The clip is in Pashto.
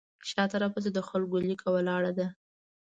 شاته راپسې د خلکو لیکه ولاړه ده.